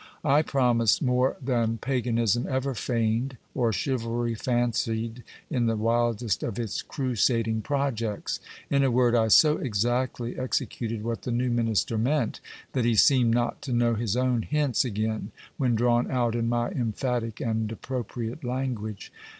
I promised more than paganism ever feigned or chivalry fancied in the wildest of its crusading projects. In a word, I so exactly exe cuted what the new minister meant, that he seemed not to know his own hints again, when drawn out in my emphatic and appropriate language.